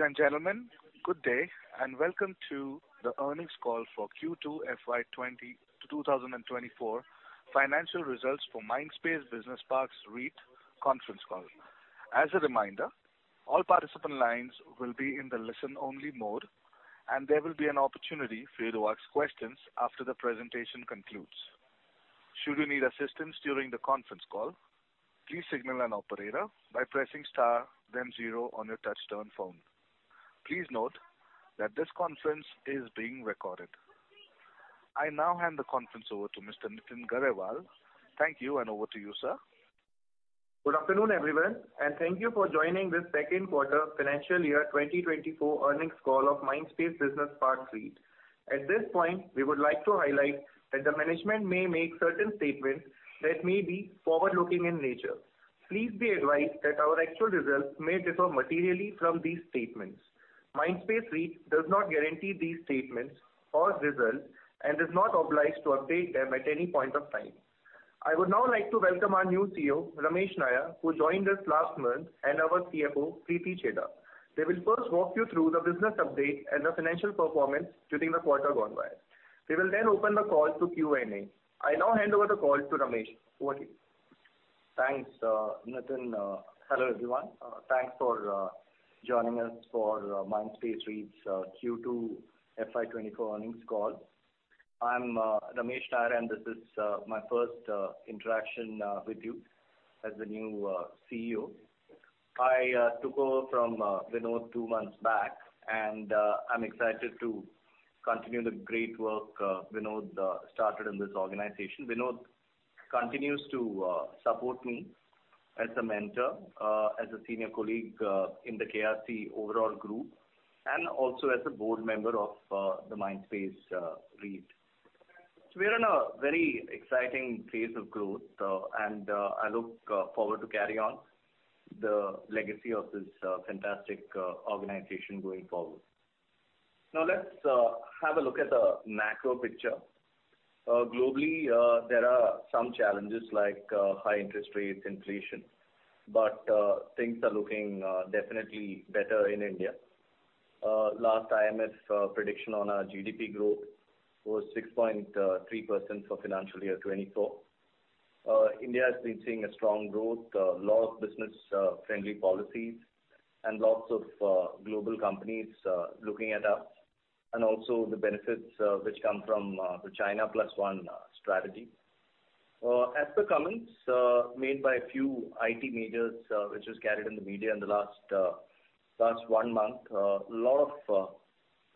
Ladies and gentlemen, good day, and welcome to the earnings call for Q2 FY 2024 financial results for Mindspace Business Parks REIT conference call. As a reminder, all participant lines will be in the listen-only mode, and there will be an opportunity for you to ask questions after the presentation concludes. Should you need assistance during the conference call, please signal an operator by pressing star then zero on your touchtone phone. Please note that this conference is being recorded. I now hand the conference over to Mr. Nitin Garewal. Thank you, and over to you, sir. Good afternoon, everyone, and thank you for joining this second quarter financial year 2024 earnings call of Mindspace Business Parks REIT. At this point, we would like to highlight that the management may make certain statements that may be forward-looking in nature. Please be advised that our actual results may differ materially from these statements. Mindspace REIT does not guarantee these statements or results and is not obliged to update them at any point of time. I would now like to welcome our new CEO, Ramesh Nair, who joined us last month, and our CFO, Preeti Chheda. They will first walk you through the business update and the financial performance during the quarter gone by. We will then open the call to Q&A. I now hand over the call to Ramesh. Over to you. Thanks, Nitin. Hello, everyone. Thanks for joining us for Mindspace REIT's Q2 FY24 earnings call. I'm Ramesh Nair, and this is my first interaction with you as the new CEO. I took over from Vinod 2 months back, and I'm excited to continue the great work Vinod started in this organization. Vinod continues to support me as a mentor, as a senior colleague in the KRC overall group, and also as a board member of the Mindspace REIT. We're in a very exciting phase of growth, and I look forward to carry on the legacy of this fantastic organization going forward. Now, let's have a look at the macro picture. Globally, there are some challenges like high interest rates, inflation, but things are looking definitely better in India. Last IMF prediction on our GDP growth was 6.3% for financial year 2024. India has been seeing a strong growth, lot of business friendly policies and lots of global companies looking at us, and also the benefits which come from the China Plus One strategy. As per comments made by a few IT majors, which was carried in the media in the last one month, a lot of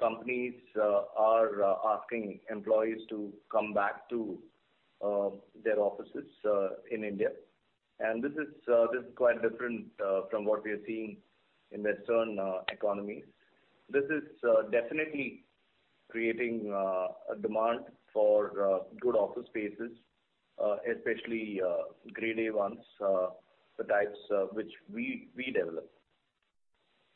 companies are asking employees to come back to their offices in India. And this is quite different from what we are seeing in Western economies. This is definitely creating a demand for good office spaces, especially Grade A ones, the types which we develop.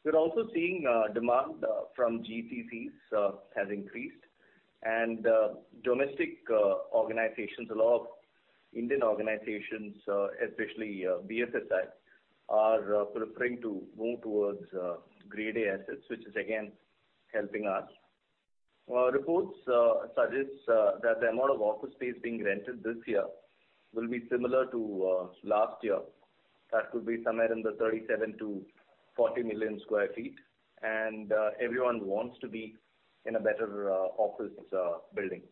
We're also seeing demand from GCCs has increased, and domestic organizations, a lot of Indian organizations, especially BFSI, are preferring to move towards Grade A assets, which is again helping us. Reports suggests that the amount of office space being rented this year will be similar to last year. That could be somewhere in the 37-40 million sq ft, and everyone wants to be in a better office building.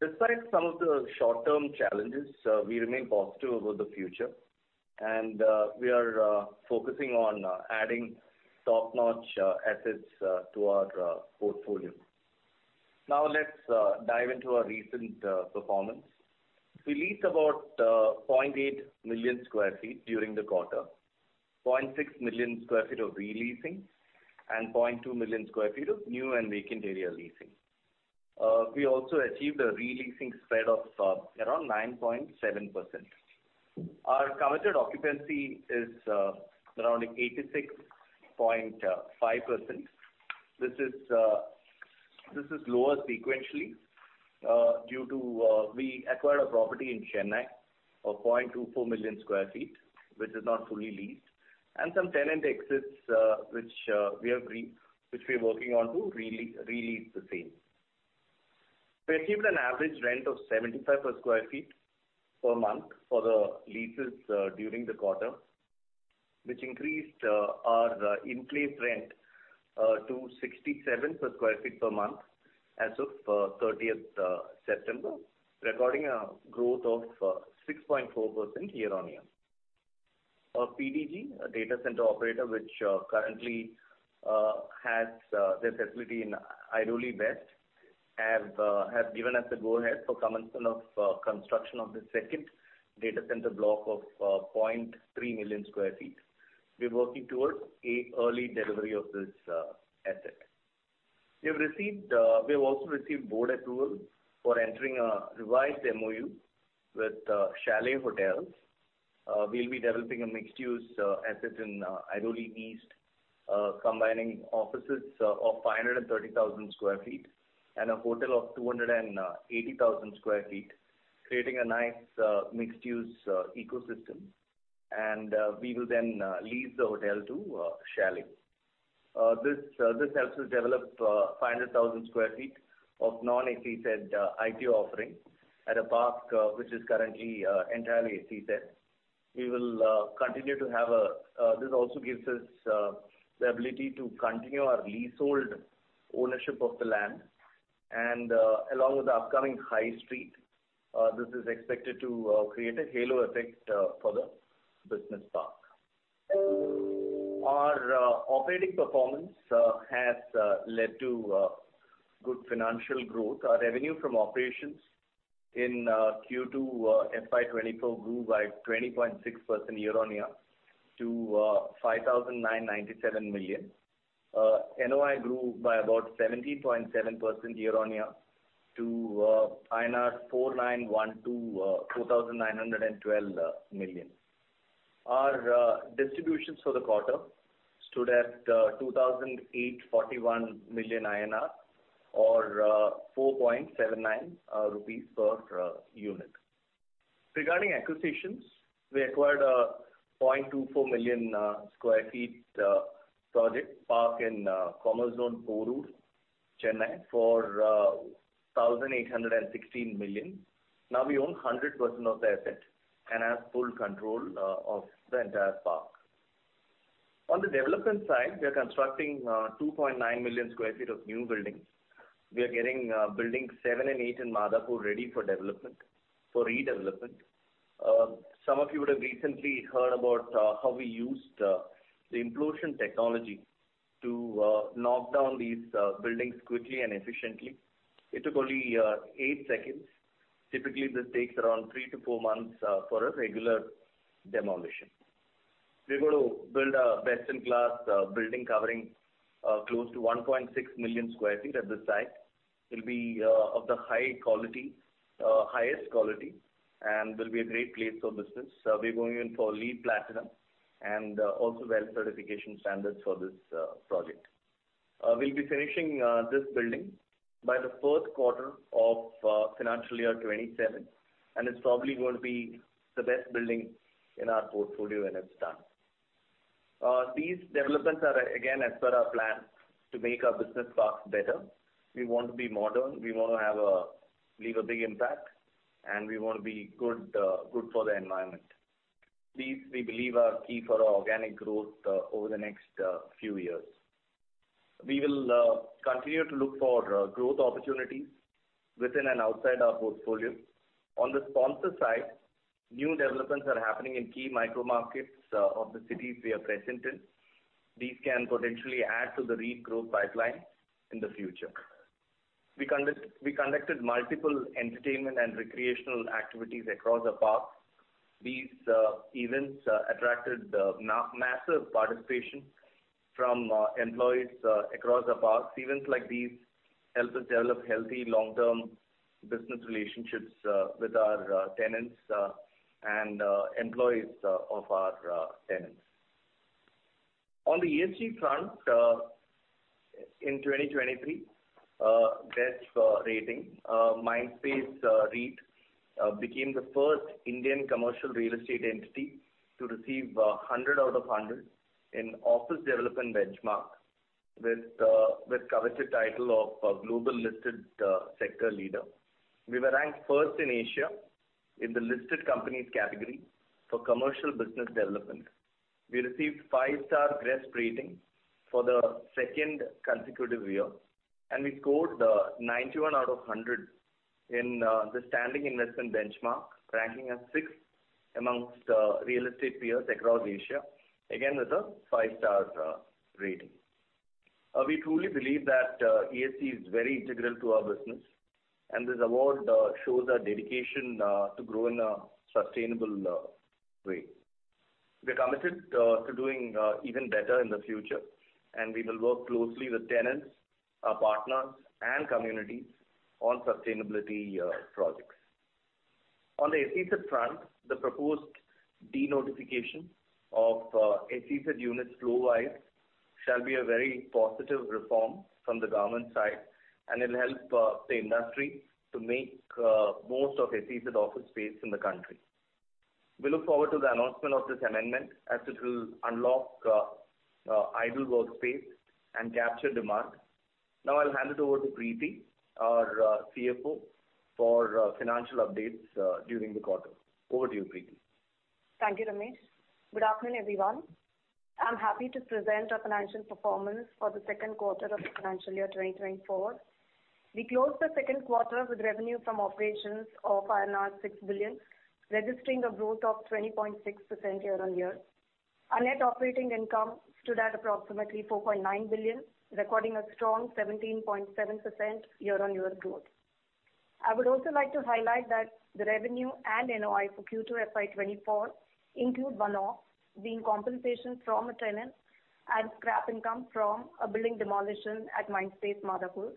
Despite some of the short-term challenges, we remain positive about the future, and we are focusing on adding top-notch assets to our portfolio. Now, let's dive into our recent performance. We leased about 0.8 million sq ft during the quarter, 0.6 million sq ft of re-leasing, and 0.2 million sq ft of new and vacant area leasing. We also achieved a re-leasing spread of around 9.7%. Our committed occupancy is around 86.5%. This is lower sequentially due to we acquired a property in Chennai of 0.24 million sq ft, which is not fully leased, and some tenant exits, which we are working on to re-lease the same. We achieved an average rent of 75 per sq ft per month for the leases during the quarter, which increased our in-place rent to 67 per sq ft per month as of 30th September, recording a growth of 6.4% year-on-year. Our PDG, a data center operator, which currently has their facility in Airoli West, have given us the go-ahead for commencement of construction of the second data center block of 0.3 million sq ft. We're working towards an early delivery of this asset. We have received we have also received board approval for entering a revised MOU with Chalet Hotels. We'll be developing a mixed-use asset in Airoli East, combining offices of 530,000 sq ft and a hotel of 280,000 sq ft, creating a nice mixed-use ecosystem, and we will then lease the hotel to Chalet. This helps us develop 500,000 sq ft of non-SEZ office offering at a park, which is currently entirely SEZ. We will continue to have a this also gives us the ability to continue our leasehold ownership of the land. Along with the upcoming High Street, this is expected to create a halo effect for the business park. Our operating performance has led to good financial growth. Our revenue from operations in Q2 FY 2024 grew by 20.6% year-on-year to 5,997 million. NOI grew by about 17.7% year-on-year to INR 2,912 million. Our distributions for the quarter stood at 2,841 million INR or 4.79 rupees per unit. Regarding acquisitions, we acquired 0.24 million sq ft project park in Commerzone Porur, Chennai, for 1,816 million. Now, we own 100% of the asset and have full control of the entire park. On the development side, we are constructing 2.9 million sq ft of new buildings. We are getting buildings 7 and 8 in Madhapur ready for development, for redevelopment. Some of you would have recently heard about how we used the implosion technology to knock down these buildings quickly and efficiently. It took only 8 seconds. Typically, this takes around 3-4 months for a regular demolition. We're going to build a best-in-class building covering close to 1.6 million sq ft at the site. It'll be of the high quality, highest quality, and will be a great place for business. We're going in for LEED Platinum and also WELL certification standards for this project. We'll be finishing this building by the fourth quarter of financial year 2027, and it's probably going to be the best building in our portfolio when it's done. These developments are again, as per our plan to make our business parks better. We want to be modern, we want to have a, leave a big impact, and we want to be good, good for the environment. These, we believe, are key for our organic growth, over the next, few years. We will, continue to look for, growth opportunities within and outside our portfolio. On the sponsor side, new developments are happening in key micro markets, of the cities we are present in. These can potentially add to the REIT growth pipeline in the future. We conducted multiple entertainment and recreational activities across the parks. These, events, attracted, massive participation from, employees, across the parks. Events like these help us develop healthy, long-term business relationships with our tenants and employees of our tenants. On the ESG front, in 2023, GRESB rating Mindspace REIT became the first Indian commercial real estate entity to receive 100 out of 100 in office development benchmark with coveted title of Global Listed Sector Leader. We were ranked first in Asia in the listed companies category for commercial business development. We received five-star GRESB rating for the second consecutive year, and we scored 91 out of 100 in the standing investment benchmark, ranking as sixth amongst real estate peers across Asia, again, with a five-star rating. We truly believe that ESG is very integral to our business, and this award shows our dedication to grow in a sustainable way. We're committed to doing even better in the future, and we will work closely with tenants, our partners, and communities on sustainability projects. On the SEZ front, the proposed denotification of SEZ units statewide shall be a very positive reform from the government side, and it'll help the industry to make most of SEZ office space in the country. We look forward to the announcement of this amendment, as it will unlock idle workspace and capture demand. Now I'll hand it over to Preeti, our CFO, for financial updates during the quarter. Over to you, Preeti. Thank you, Ramesh. Good afternoon, everyone. I'm happy to present our financial performance for the second quarter of the financial year 2024. We closed the second quarter with revenue from operations of 6 billion, registering a growth of 20.6% year-on-year. Our net operating income stood at approximately 4.9 billion, recording a strong 17.7% year-on-year growth. I would also like to highlight that the revenue and NOI for Q2 FY 2024 include one-off, being compensation from a tenant and scrap income from a building demolition at Mindspace Madhapur,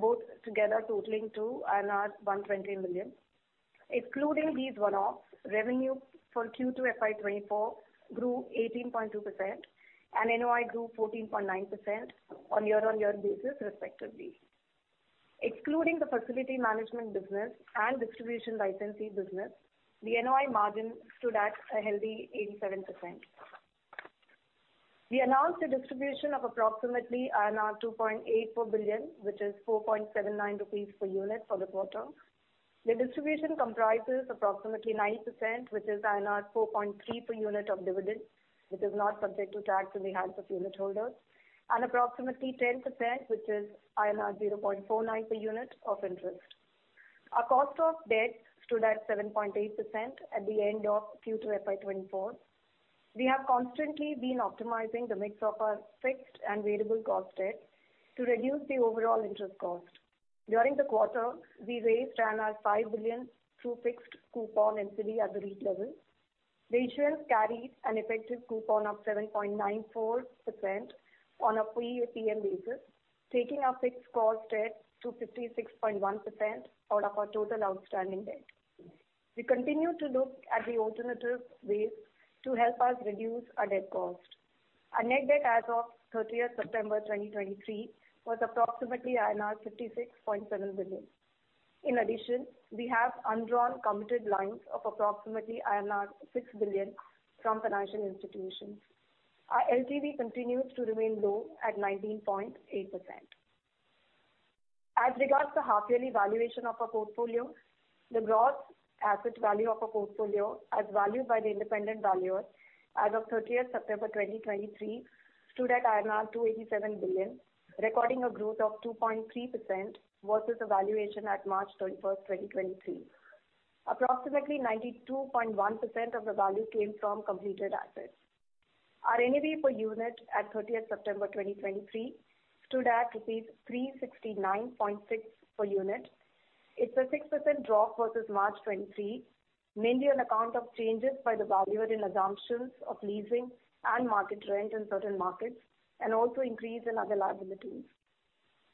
both together totaling to 120 million. Excluding these one-offs, revenue for Q2 FY 2024 grew 18.2%, and NOI grew 14.9% on year-on-year basis, respectively.... excluding the facility management business and distribution licensee business, the NOI margin stood at a healthy 87%. We announced a distribution of approximately INR 2.84 billion, which is 4.79 rupees per unit for the quarter. The distribution comprises approximately 90%, which is INR 4.3 per unit of dividend, which is not subject to tax in the hands of unit holders, and approximately 10%, which is INR 0.49 per unit of interest. Our cost of debt stood at 7.8% at the end of Q2 FY 2024. We have constantly been optimizing the mix of our fixed and variable cost debt to reduce the overall interest cost. During the quarter, we raised 5 billion through fixed coupon entity at the REIT level, which will carry an effective coupon of 7.94% on a pre-PM basis, taking our fixed cost debt to 56.1% of our total outstanding debt. We continue to look at the alternative ways to help us reduce our debt cost. Our net debt as of 30th September 2023, was approximately INR 56.7 billion. In addition, we have undrawn committed lines of approximately INR 6 billion from financial institutions. Our LTV continues to remain low at 19.8%. As regards to half yearly valuation of our portfolio, the gross asset value of our portfolio, as valued by the independent valuer as of thirtieth September 2023, stood at 287 billion, recording a growth of 2.3% versus the valuation at March 31, 2023. Approximately 92.1% of the value came from completed assets. Our NAV per unit at thirtieth September 2023, stood at rupees 369.6 per unit. It's a 6% drop versus March 2023, mainly on account of changes by the valuer in assumptions of leasing and market rent in certain markets, and also increase in other liabilities.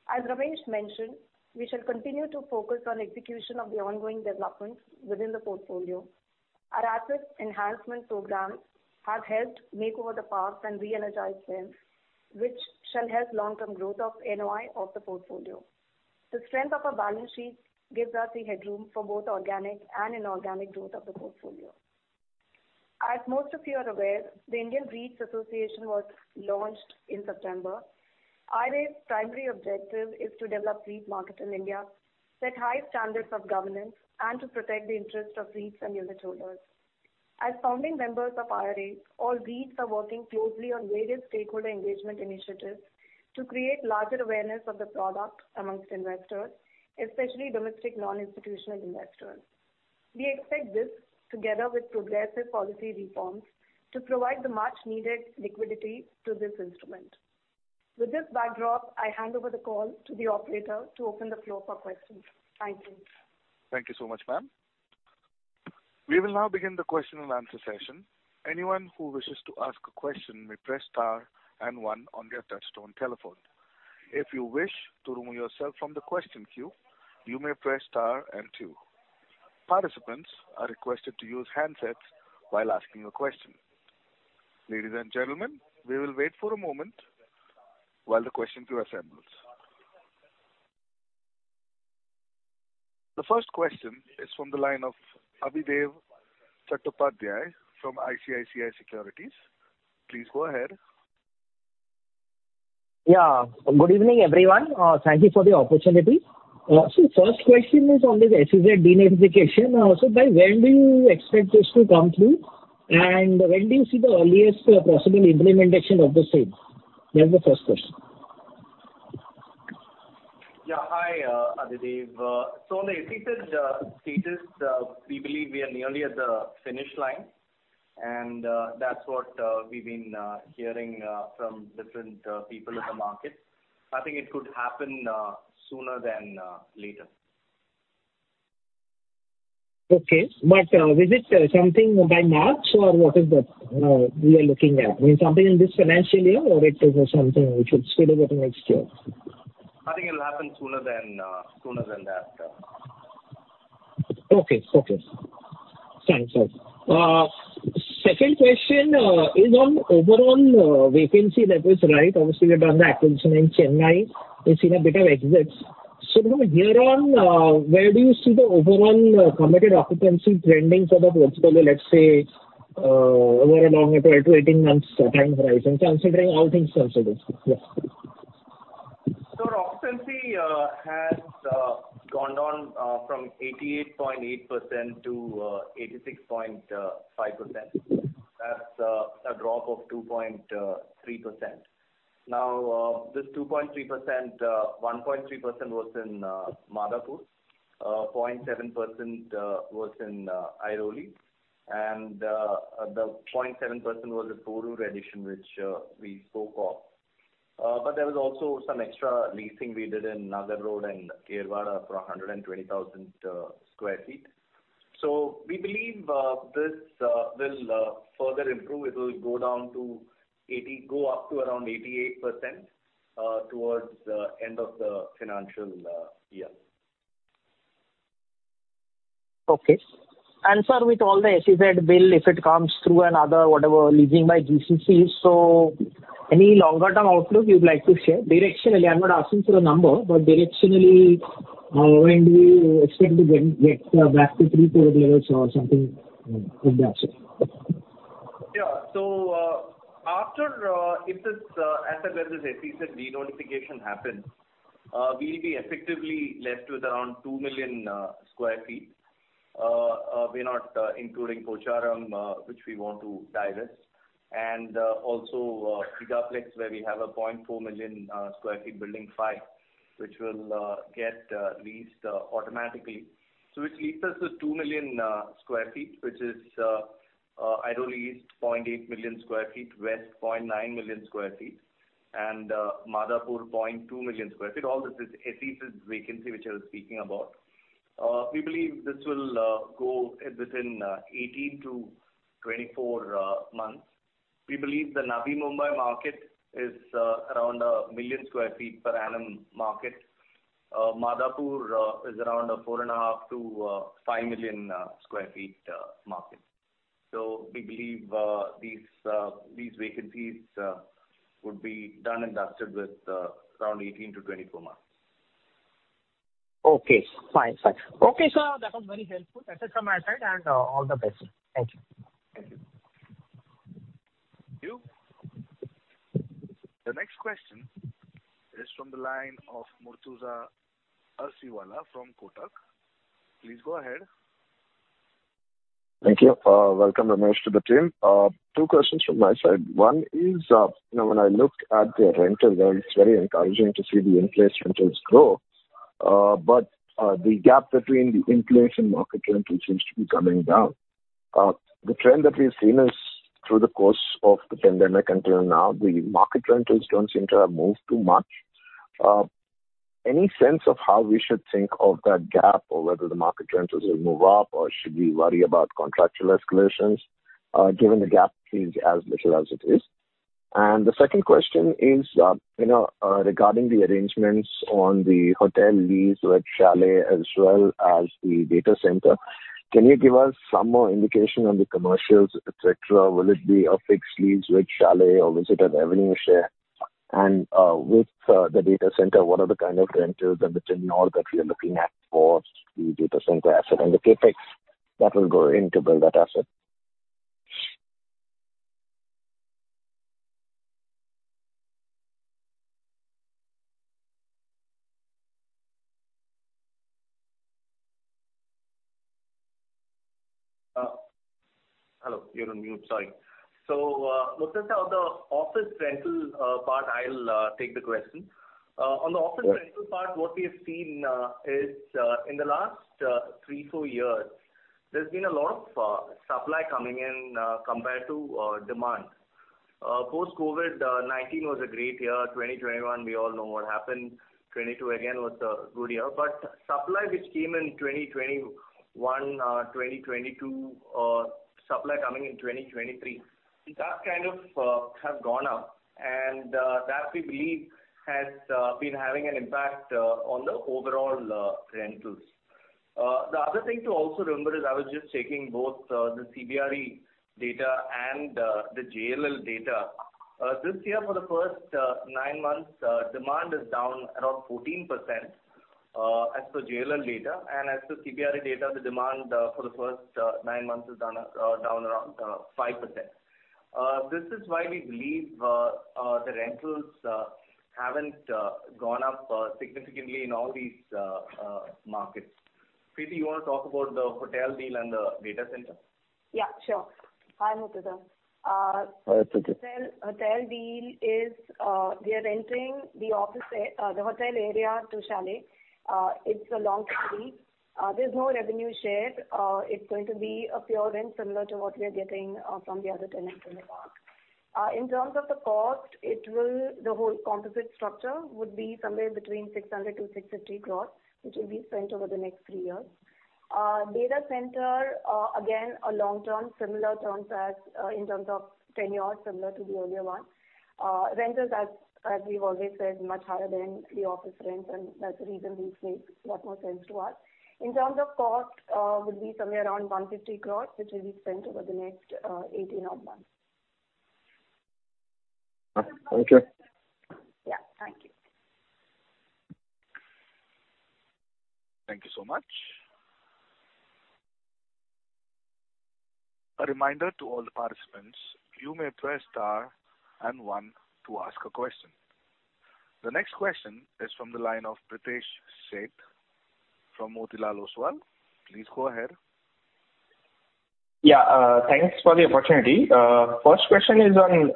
As Ramesh mentioned, we shall continue to focus on execution of the ongoing developments within the portfolio. Our asset enhancement program has helped make over the parks and re-energize them, which shall help long-term growth of NOI of the portfolio. The strength of our balance sheet gives us the headroom for both organic and inorganic growth of the portfolio. As most of you are aware, the Indian REITs Association was launched in September. IRA's primary objective is to develop REIT market in India, set high standards of governance, and to protect the interests of REITs and unitholders. As founding members of IRA, all REITs are working closely on various stakeholder engagement initiatives to create larger awareness of the product among investors, especially domestic non-institutional investors. We expect this, together with progressive policy reforms, to provide the much needed liquidity to this instrument. With this backdrop, I hand over the call to the operator to open the floor for questions. Thank you. Thank you so much, ma'am. We will now begin the question and answer session. Anyone who wishes to ask a question may press star and one on their touchtone telephone. If you wish to remove yourself from the question queue, you may press star and two. Participants are requested to use handsets while asking a question. Ladies and gentlemen, we will wait for a moment while the question queue assembles. The first question is from the line of Adhidev Chattopadhyay from ICICI Securities. Please go ahead. Yeah. Good evening, everyone. Thank you for the opportunity. So first question is on the SEZ denotification. So, by when do you expect this to come through? And when do you see the earliest possible implementation of the same? That's the first question. Yeah. Hi, Abhidev. So on the SEZ status, we believe we are nearly at the finish line, and that's what we've been hearing from different people in the market. I think it could happen sooner than later. Okay. But, is it something by March, or what is that we are looking at? I mean, something in this financial year, or it is something which would spill over to next year? I think it'll happen sooner than, sooner than that. Okay. Okay. Thanks. Second question is on overall vacancy levels, right? Obviously, we've done the acquisition in Chennai, we've seen a bit of exits. So now here on, where do you see the overall committed occupancy trending for the portfolio, let's say, over a longer 12-18 months time horizon, considering all things considered? Yes. So occupancy has gone down from 88.8% to 86.5%. That's a drop of 2.3%. Now this 2.3%, 1.3% was in Madhapur, 0.7% was in Airoli, and the 0.7% was the Porur addition, which we spoke of. But there was also some extra leasing we did in Nagar Road and Kharadi for 120,000 sq ft. So we believe this will further improve. It will go down to 80-- go up to around 88% towards the end of the financial year.... Okay. Sir, with all the SEZ bill, if it comes through and other whatever leasing by GCCs, so any longer term outlook you'd like to share? Directionally, I'm not asking for a number, but directionally, when do you expect to get back to pre-COVID levels or something like that? Yeah. So, after this SEZ denotification happens, we'll be effectively left with around 2 million sq ft. We're not including Pocharam, which we want to divest. And also, Gigaplex, where we have a 0.4 million sq ft building five, which will get leased automatically. So which leaves us with 2 million sq ft, which is Airoli East 0.8 million sq ft, West 0.9 million sq ft, and Madhapur 0.2 million sq ft. All this is SEZ vacancy, which I was speaking about. We believe this will go within 18-24 months. We believe the Navi Mumbai market is around 1 million sq ft per annum market. Madhapur is around 4.5-5 million sq ft market. So we believe, these, these vacancies would be done and dusted with around 18-24 months. Okay. Fine. Fine. Okay, so that was very helpful. That's it from my side, and all the best. Thank you. Thank you. Thank you. The next question is from the line of Murtuza Arsiwalla from Kotak. Please go ahead. Thank you. Welcome, Ramesh, to the team. Two questions from my side. One is, you know, when I look at the rentals, it's very encouraging to see the in-place rentals grow. But, the gap between the in-place and market rental seems to be coming down. The trend that we've seen is through the course of the pandemic until now, the market rentals don't seem to have moved too much. Any sense of how we should think of that gap, or whether the market rentals will move up, or should we worry about contractual escalations, given the gap seems as little as it is? And the second question is, you know, regarding the arrangements on the hotel lease with Chalet as well as the data center, can you give us some more indication on the commercials, et cetera? Will it be a fixed lease with Chalet or is it a revenue share? And with the data center, what are the kind of rentals and the tenure that we are looking at for the data center asset and the CapEx that will go in to build that asset? Hello, you're on mute. Sorry. So, Murtuza, on the office rental part, I'll take the question. On the office- Sure. Rental part, what we have seen is in the last 3, 4 years, there's been a lot of supply coming in compared to demand. Post-COVID, '19 was a great year. 2021, we all know what happened. 2022 again was a good year. But supply which came in 2021, 2022, supply coming in 2023, that kind of have gone up, and that, we believe, has been having an impact on the overall rentals. The other thing to also remember is, I was just checking both the CBRE data and the JLL data. This year, for the first 9 months, demand is down around 14% as per JLL data. As per CBRE data, the demand for the first nine months is down around 5%. This is why we believe the rentals haven't gone up significantly in all these markets. Preeti, you want to talk about the hotel deal and the data center? Yeah, sure. Hi, Murtuza. Hi, Preeti. The hotel, hotel deal is, we are entering the office, the hotel area to Chalet. It's a long lease. There's no revenue share. It's going to be a pure rent, similar to what we are getting, from the other tenants in the park. In terms of the cost, it will, the whole composite structure would be somewhere between 600 crores-650 crores, which will be spent over the next three years. Data center, again, a long-term, similar terms as, in terms of tenure, similar to the earlier one. Rentals, as, as we've always said, much higher than the office rents, and that's the reason these make a lot more sense to us. In terms of cost, would be somewhere around 150 crores, which will be spent over the next, 18 odd months. Okay. Yeah. Thank you. Thank you so much. A reminder to all the participants, you may press star and one to ask a question. The next question is from the line of Pritesh Sheth from Motilal Oswal. Please go ahead. Yeah, thanks for the opportunity. First question is on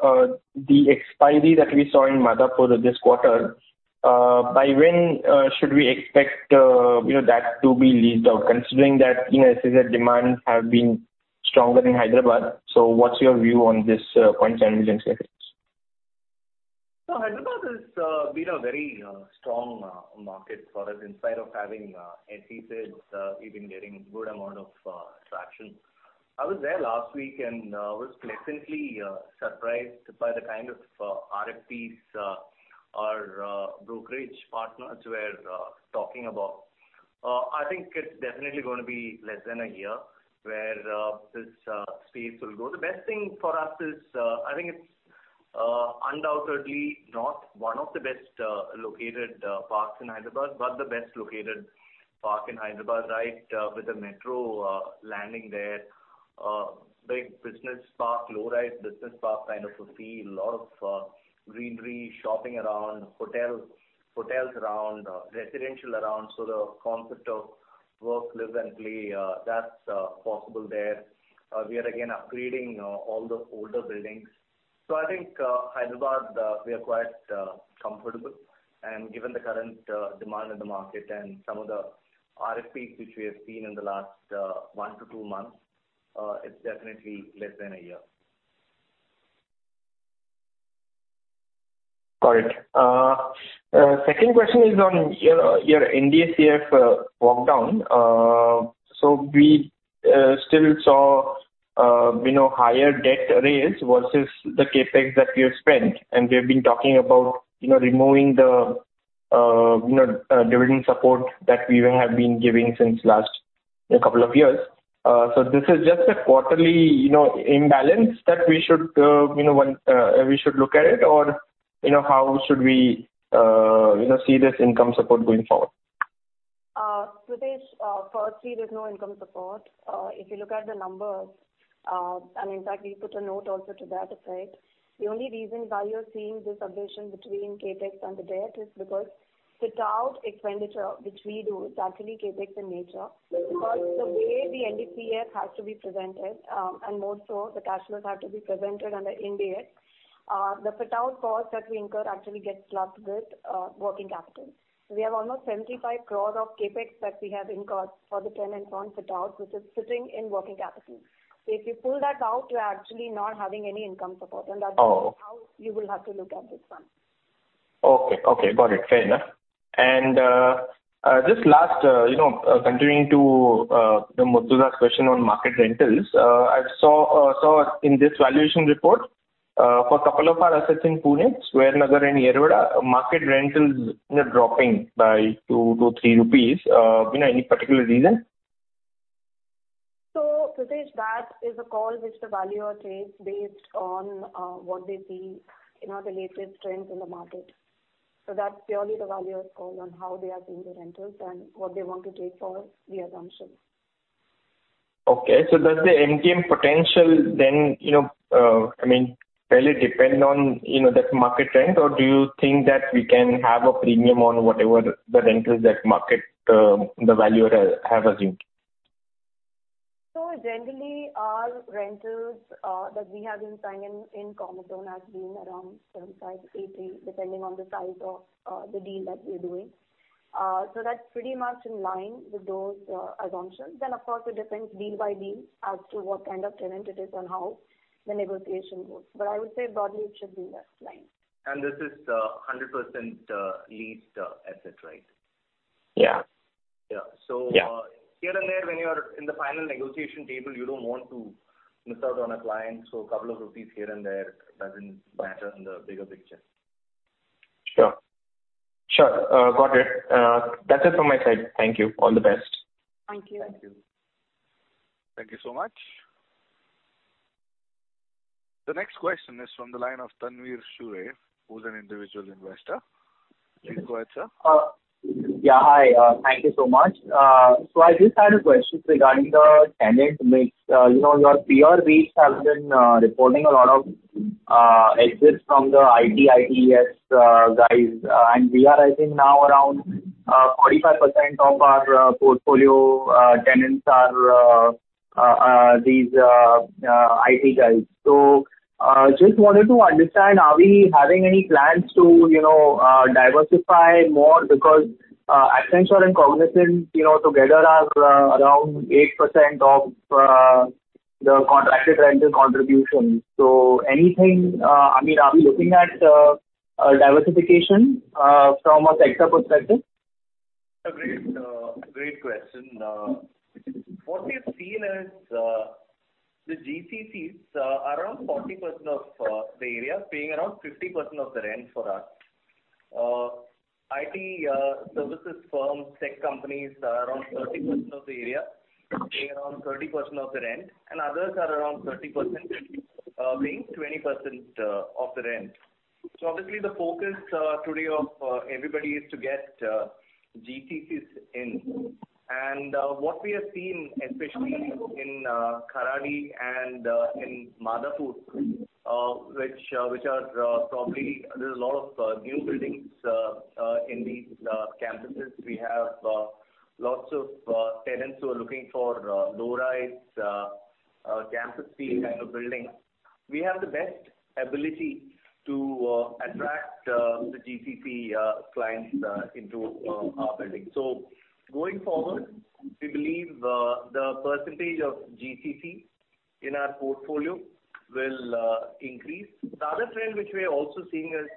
the expiry that we saw in Madhapur this quarter. By when should we expect, you know, that to be leased out, considering that, you know, SEZ demands have been stronger in Hyderabad? So what's your view on this 0.7 million sq ft? So Hyderabad has been a very strong market for us. In spite of having SEZ, we've been getting good amount of traction. I was there last week, and was pleasantly surprised by the kind of RFPs our brokerage partners were talking about. I think it's definitely gonna be less than a year where this space will go. The best thing for us is, I think it's undoubtedly not one of the best located parks in Hyderabad, but the best located park in Hyderabad, right? With the metro landing there, big business park, low-rise business park kind of a feel, lot of greenery, shopping around, hotel, hotels around, residential around. So the concept of work, live, and play, that's possible there. We are again upgrading all the older buildings. So I think, Hyderabad, we are quite comfortable. And given the current demand in the market and some of the RFPs which we have seen in the last 1-2 months, it's definitely less than a year. Got it. Second question is on your NDCF walk down. So we still saw, you know, higher debt raise versus the CapEx that we have spent, and we've been talking about, you know, removing the dividend support that we have been giving since last couple of years. So this is just a quarterly, you know, imbalance that we should look at it? Or, you know, how should we, you know, see this income support going forward? Pritesh, firstly, there's no income support. If you look at the numbers, and in fact, we put a note also to that effect. The only reason why you're seeing this addition between CapEx and the debt is because fit-out expenditure, which we do, is actually CapEx in nature. Because the way the NDCF has to be presented, and more so the cash flows have to be presented under India, the fit-out cost that we incur actually gets clubbed with working capital. We have almost 75 crore of CapEx that we have incurred for the tenant on fit-out, which is sitting in working capital. So if you pull that out, we're actually not having any income support, and that- Oh. is how you will have to look at this one. Okay. Okay, got it. Fair enough. And, just last, you know, continuing to Murtuza's question on market rentals. I saw in this valuation report, for a couple of our assets in Pune, The Square, Nagar Road and Yerwada, market rentals are dropping by 2-3 rupees. You know, any particular reason? So, Pritesh, that is a call which the valuer takes based on what they see in our latest trends in the market. So that's purely the valuer's call on how they are seeing the rentals and what they want to take for the assumption. Okay. So does the MTM potential then, you know, I mean, fairly depend on, you know, that market trend, or do you think that we can have a premium on whatever the rentals that market, the valuer has, have assumed? Generally, our rentals that we have been signing in Commerzone has been around 10-8, depending on the size of the deal that we're doing. That's pretty much in line with those assumptions. Then, of course, it depends deal by deal as to what kind of tenant it is and how the negotiation goes. But I would say broadly, it should be in line. This is 100% leased asset, right? Yeah. Yeah. Yeah. So, here and there, when you are in the final negotiation table, you don't want to miss out on a client, so a couple of rupees here and there doesn't matter in the bigger picture. Sure. Sure, got it. That's it from my side. Thank you. All the best. Thank you. Thank you. Thank you so much. The next question is from the line of Tanwir Shura, who's an individual investor. Please go ahead, sir. Yeah, hi. Thank you so much. So I just had a question regarding the tenant mix. You know, your peers based have been reporting a lot of exits from the IT, ITES guys. And we are, I think now around 45% of our portfolio tenants are these IT guys. So just wanted to understand, are we having any plans to, you know, diversify more? Because Accenture and Cognizant, you know, together are around 8% of the contracted rental contribution. So anything... I mean, are we looking at a diversification from a sector perspective? A great, great question. What we have seen is, the GCCs, around 40% of the area, paying around 50% of the rent for us. IT services firms, tech companies are around 30% of the area, paying around 30% of the rent, and others are around 30%, paying 20% of the rent. So obviously, the focus today of everybody is to get GCCs in. And, what we have seen, especially in Kharadi and in Madhapur, which are probably there's a lot of new buildings in these campuses. We have lots of tenants who are looking for low-rise campus feel kind of buildings. We have the best ability to attract the GCC clients into our building. So going forward, we believe the percentage of GCC in our portfolio will increase. The other trend which we are also seeing is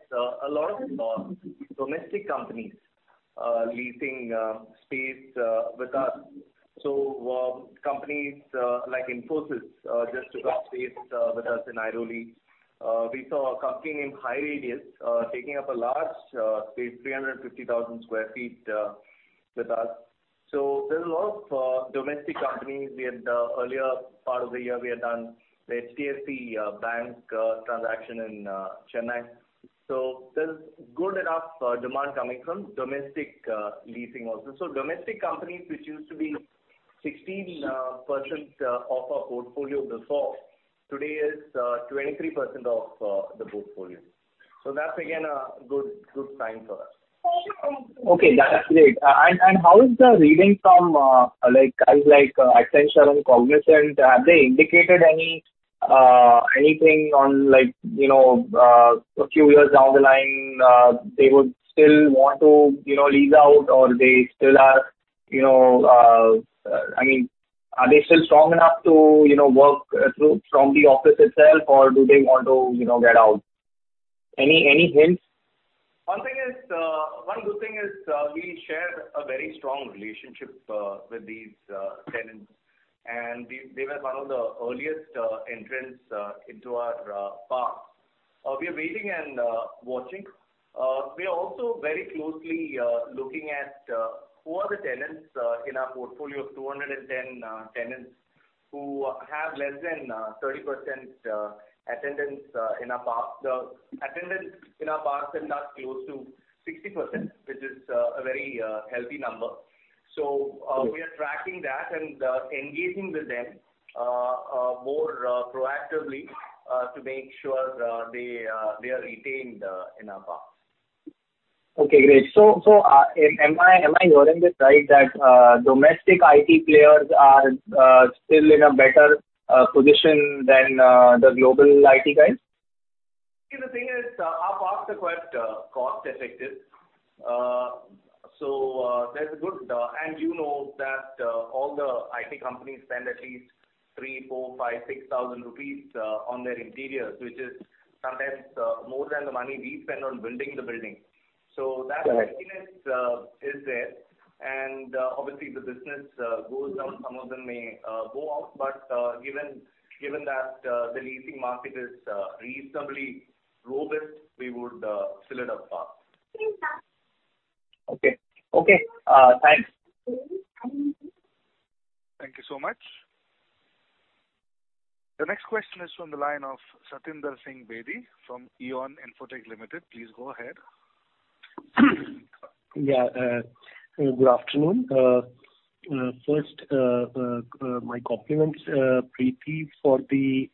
a lot of domestic companies leasing space with us. So companies like Infosys just took up space with us in Airoli. We saw Cognizant and HighRadius taking up a large space, 350,000 sq ft with us. So there's a lot of domestic companies. We had earlier part of the year, we had done the HDFC Bank transaction in Chennai. So there's good enough demand coming from domestic leasing also. So domestic companies, which used to be 16%, of our portfolio before, today is 23% of the portfolio. So that's again a good, good sign for us. Okay, that's great. And how is the leasing from, like, guys like, Accenture and Cognizant? Have they indicated anything on, like, you know, a few years down the line, they would still want to, you know, lease out, or they still are, you know, I mean, are they still strong enough to, you know, work through from the office itself, or do they want to, you know, get out? Any hints? One thing is, one good thing is, we share a very strong relationship with these tenants, and they, they were one of the earliest entrants into our parks. We are waiting and watching. We are also very closely looking at who are the tenants in our portfolio of 210 tenants who have less than 30% attendance in our parks. The attendance in our parks stand are close to 60%, which is a very healthy number. So, Okay. We are tracking that and, engaging with them, more proactively, to make sure they are retained in our parks. Okay, great. So, am I hearing this right, that domestic IT players are still in a better position than the global IT guys? See, the thing is, our parks are quite cost-effective, so that's good. And you know that all the IT companies spend at least 3,000-6,000 rupees on their interiors, which is sometimes more than the money we spend on building the building. Right. That heaviness is there, and obviously, the business goes down. Some of them may go out, but given that the leasing market is reasonably robust, we would fill it up fast. Okay. Okay, thanks. Thank you. Thank you so much. The next question is from the line of Satinder Singh Bedi from EON Infotech Limited. Please go ahead. Yeah, good afternoon. First, my compliments, Preeti, for the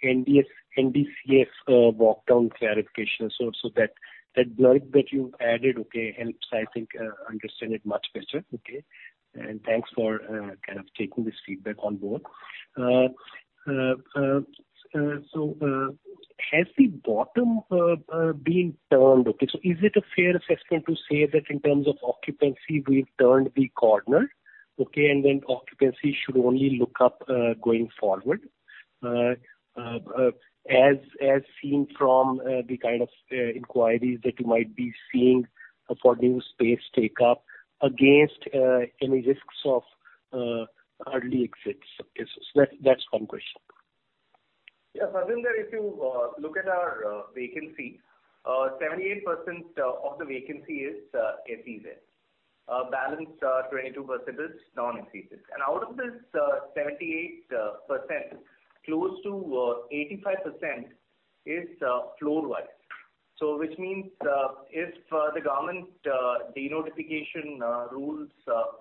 NDCF walk-down clarification. So, that blurb that you added, okay, helps I think understand it much better, okay? And thanks for kind of taking this feedback on board. So, has the bottom been turned, okay? So is it a fair assessment to say that in terms of occupancy, we've turned the corner, okay, and then occupancy should only look up going forward? As seen from the kind of inquiries that you might be seeing for new space take up against any risks of early exits? Okay, so that's one question. Yeah, Satinder, if you look at our vacancy, 78% of the vacancy is SEZ. Balance 22% is non-SEZ. And out of this 78%, close to 85% is floor rise. So which means, if the government denotification rules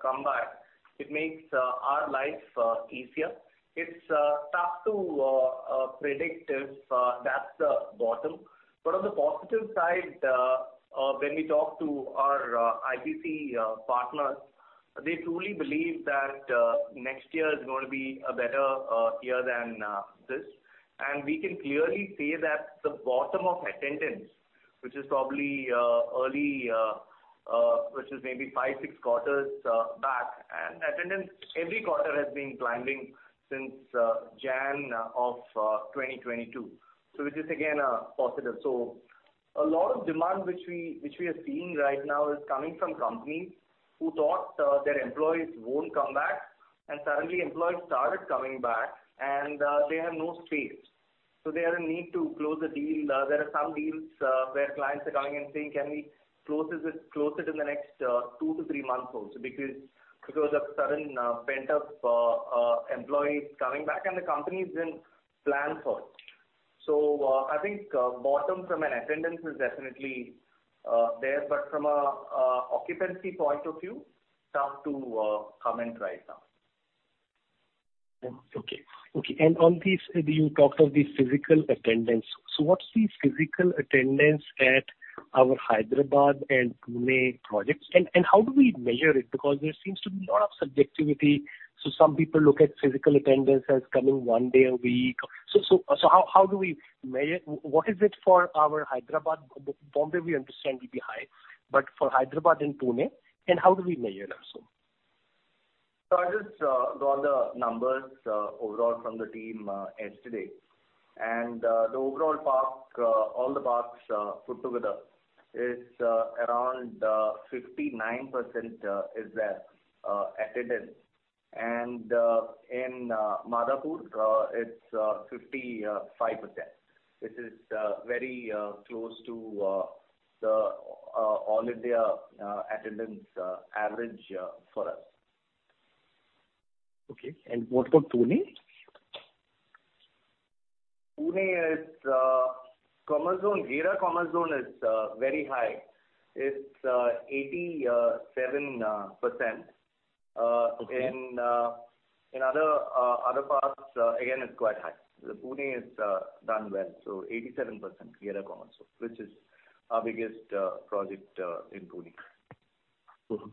come back, it makes our life easier. It's tough to predict if that's the bottom. But on the positive side, when we talk to our IPC partners, they truly believe that next year is going to be a better year than this. We can clearly say that the bottom of attendance, which is probably early, which is maybe 5-6 quarters back, and attendance every quarter has been climbing since January 2022. So which is again positive. So a lot of demand which we are seeing right now is coming from companies who thought their employees won't come back, and suddenly employees started coming back, and they have no space. So they are in need to close the deal. There are some deals where clients are coming and saying: "Can we close this, close it in the next 2-3 months also?" Because of sudden pent-up employees coming back and the companies didn't plan for it. I think bottom from an attendance is definitely there, but from a occupancy point of view, tough to comment right now. Okay. Okay, and on this, you talked of the physical attendance. So what's the physical attendance at our Hyderabad and Pune projects? And how do we measure it? Because there seems to be a lot of subjectivity, so some people look at physical attendance as coming one day a week. So how do we measure it? What is it for our Hyderabad? Bombay, we understand, will be high, but for Hyderabad and Pune, and how do we measure this?... I just got the numbers overall from the team yesterday. The overall park, all the parks put together, is around 59% is there attendance. In Madhapur, it's 55%. This is very close to the all India attendance average for us. Okay. And what about Pune? Pune is Commerzone. Gera Commerzone is very high. It's 87%. Okay. In other parks, again, it's quite high. The Pune is done well, so 87% Commerzone, which is our biggest project in Pune. Mm-hmm.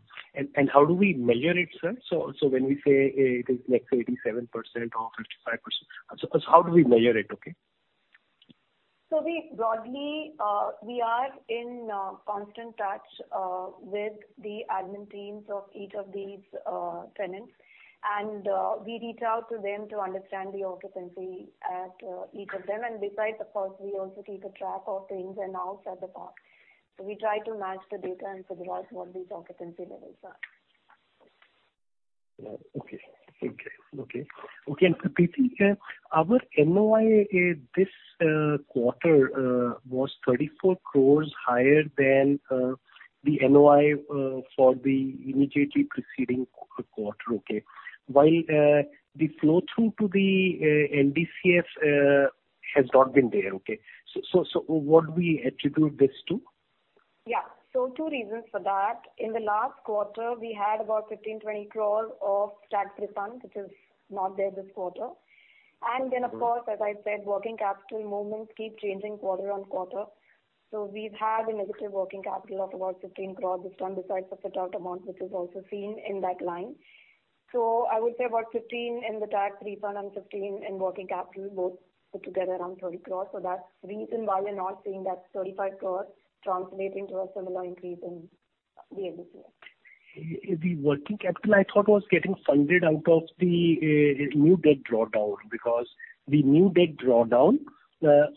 And how do we measure it, sir? So when we say it is like 87% or 55%, so how do we measure it, okay? So, broadly, we are in constant touch with the admin teams of each of these tenants. And, we reach out to them to understand the occupancy at each of them. And besides, of course, we also keep a track of things in and out at the park. So we try to match the data and figure out what these occupancy levels are. Yeah. Okay. Okay. Okay. Okay, and Preeti, our NOI this quarter was 34 crore higher than the NOI for the immediately preceding quarter, okay? While the flow through to the NDCF has not been there, okay. So, what do we attribute this to? Yeah. So two reasons for that. In the last quarter, we had about 15-20 crore of tax refund, which is not there this quarter. And then, of course, as I said, working capital movements keep changing quarter-on-quarter. So we've had a negative working capital of about 15 crore this time, besides the set out amount, which is also seen in that line. So I would say about 15 crore in the tax refund and 15 crore in working capital, both put together around 30 crore. So that's the reason why we're not seeing that 35 crore translating to a similar increase in the NDCF. The working capital, I thought, was getting funded out of the new debt drawdown, because the new debt drawdown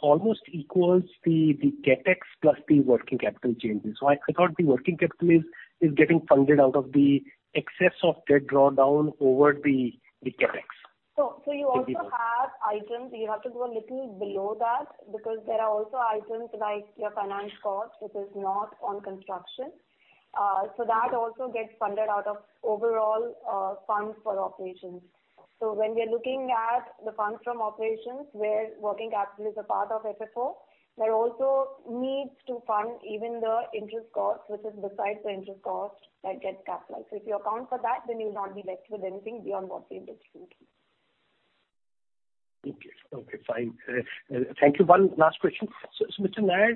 almost equals the CapEx plus the working capital changes. So I thought the working capital is getting funded out of the excess of debt drawdown over the CapEx. So you also have items... You have to go a little below that, because there are also items like your finance cost, which is not on construction. So that also gets funded out of overall Funds From Operations. So when we are looking at the funds from operations, where working capital is a part of FFO, there also needs to fund even the interest cost, which is besides the interest cost, that gets capitalized. So if you account for that, then you'll not be left with anything beyond what the interest will be. Okay, fine. Thank you. One last question. So, Mr. Nair,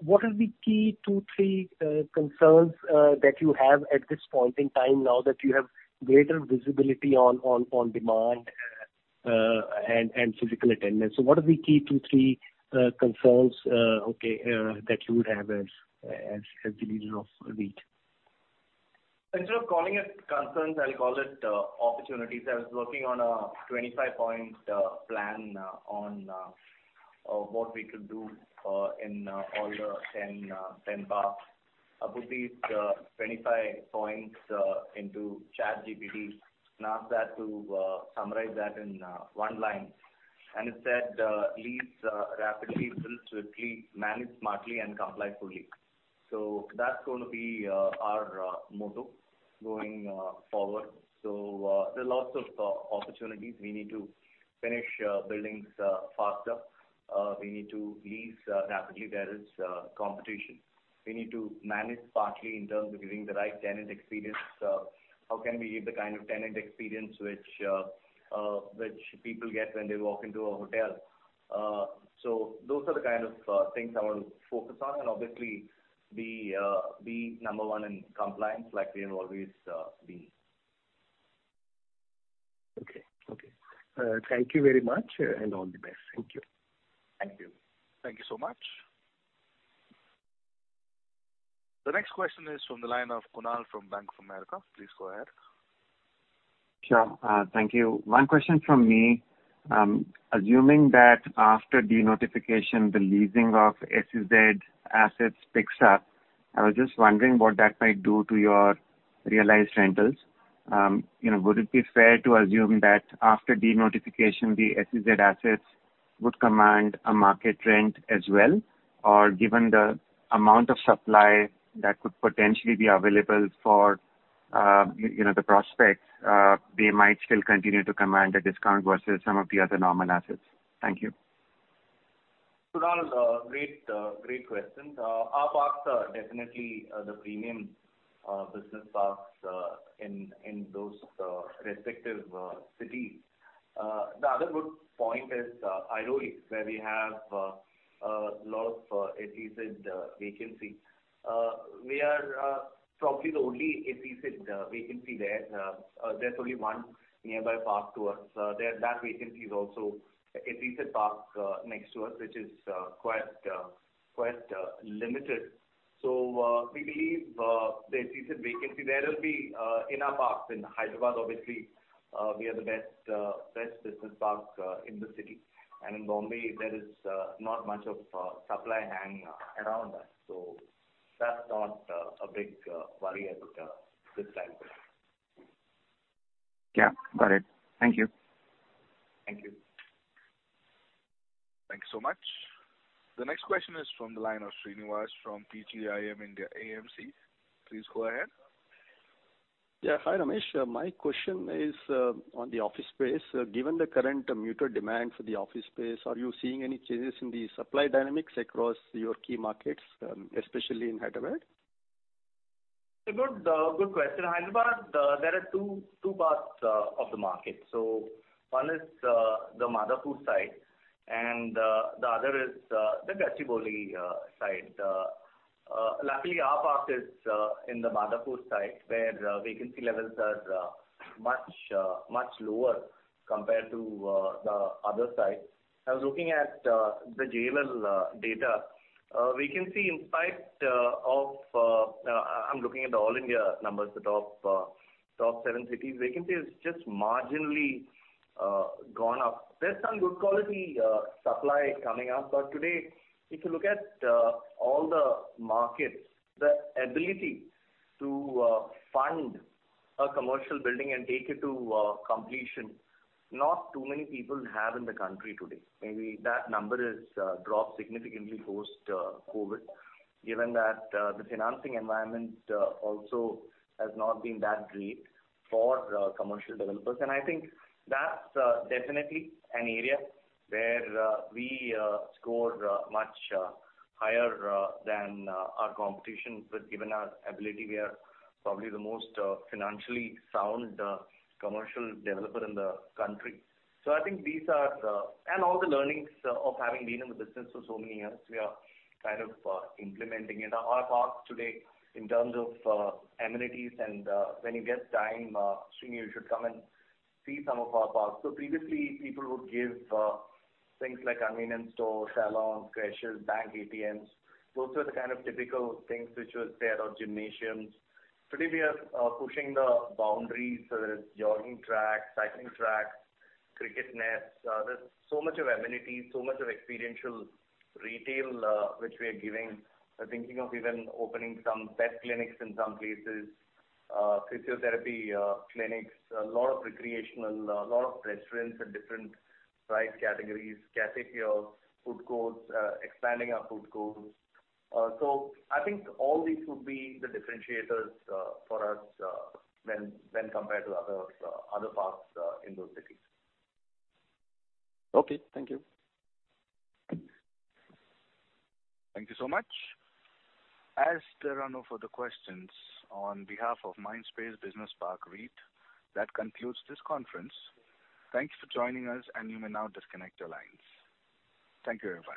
what are the key two, three concerns that you have at this point in time, now that you have greater visibility on demand and physical attendance? So what are the key two, three concerns, okay, that you would have as the leader of REIT? Instead of calling it concerns, I'll call it opportunities. I was working on a 25-point plan on what we could do in all the 10 parks. I put these 25 points into ChatGPT and asked that to summarize that in one line. And it said, "lease rapidly, build swiftly, manage smartly, and comply fully." So that's going to be our motto going forward. So, there are lots of opportunities. We need to finish buildings faster. We need to lease rapidly. There is competition. We need to manage smartly in terms of giving the right tenant experience. How can we give the kind of tenant experience which people get when they walk into a hotel? So those are the kind of things I want to focus on, and obviously, be number one in compliance, like we have always been. Okay. Okay. Thank you very much, and all the best. Thank you. Thank you. Thank you so much. The next question is from the line of Kunal from Bank of America. Please go ahead. Sure. Thank you. One question from me. Assuming that after denotification, the leasing of SEZ assets picks up, I was just wondering what that might do to your realized rentals. You know, would it be fair to assume that after denotification, the SEZ assets would command a market rent as well? Or given the amount of supply that could potentially be available for, you know, the prospects, they might still continue to command a discount versus some of the other normal assets. Thank you. Kunal, great, great question. Our parks are definitely the premium business parks in those respective cities. The other good point is Airoli, where we have a lot of SEZ vacancy. We are probably the only SEZ vacancy there. There's only one nearby park to us. There, that vacancy is also a SEZ park next to us, which is quite, quite limited. So, we believe the SEZ vacancy there will be in our parks. In Hyderabad, obviously, we are the best, best business park in the city. And in Bombay, there is not much of supply hanging around us, so that's not a big worry at this time. Yeah, got it. Thank you. Thank you. Thanks so much. The next question is from the line of Srinivas from PGIM India AMC. Please go ahead. Yeah. Hi, Ramesh. My question is on the office space. Given the current muted demand for the office space, are you seeing any changes in the supply dynamics across your key markets, especially in Hyderabad? A good, good question. Hyderabad, there are two, two parts of the market. So one is the Madhapur side, and the other is the Gachibowli side. Luckily, our park is in the Madhapur side, where vacancy levels are much, much lower compared to the other side. I was looking at the JLL data. Vacancy in spite of, I'm looking at the all India numbers, the top, top seven cities. Vacancy has just marginally gone up. There's some good quality supply coming up. But today, if you look at all the markets, the ability to fund a commercial building and take it to completion, not too many people have in the country today. Maybe that number has dropped significantly post COVID, given that the financing environment also has not been that great for commercial developers. And I think that's definitely an area where we score much higher than our competition. But given our ability, we are probably the most financially sound commercial developer in the country. So I think these are... And all the learnings of having been in the business for so many years, we are kind of implementing it. Our parks today, in terms of amenities, and when you get time, Srini, you should come and see some of our parks. So previously, people would give things like convenience stores, salons, creches, bank ATMs. Those were the kind of typical things which was there, or gymnasiums. Today, we are pushing the boundaries, whether it's jogging tracks, cycling tracks, cricket nets. There's so much of amenities, so much of experiential retail, which we are giving. We're thinking of even opening some pet clinics in some places, physiotherapy clinics, a lot of recreational, a lot of restaurants at different price categories, cafeterias, food courts, expanding our food courts. So I think all these would be the differentiators for us, when compared to other parks in those cities. Okay. Thank you. Thank you so much. As there are no further questions, on behalf of Mindspace Business Parks REIT, that concludes this conference. Thank you for joining us, and you may now disconnect your lines. Thank you, everybody.